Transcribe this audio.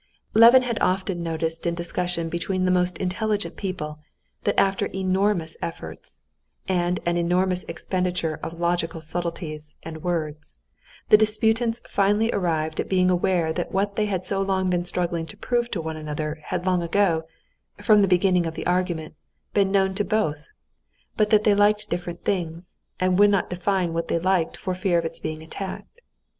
Levin had often noticed in discussions between the most intelligent people that after enormous efforts, and an enormous expenditure of logical subtleties and words, the disputants finally arrived at being aware that what they had so long been struggling to prove to one another had long ago, from the beginning of the argument, been known to both, but that they liked different things, and would not define what they liked for fear of its being attacked.